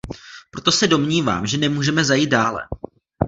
Proto se domnívám, že nemůžeme zajít dále.